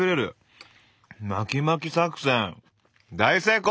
巻き巻き作戦大成功！